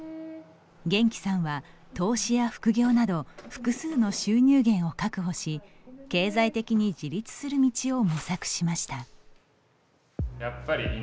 ゲンキさんは投資や副業など複数の収入源を確保し、経済的に自立する道を模索しました。